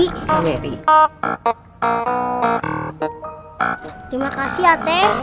terima kasih ya teh